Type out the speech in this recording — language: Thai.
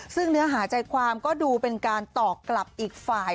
ซึ่งเนื้อหาใจความก็ดูเป็นการตอบกลับอีกฝ่าย